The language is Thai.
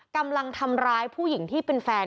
กำลังทำร้ายผู้หญิงที่เป็นแฟน